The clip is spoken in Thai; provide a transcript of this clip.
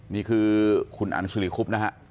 นี่คือคุณอันสุริคุบนะฮะ